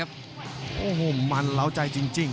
โอ้โหเหมินเราใจจริง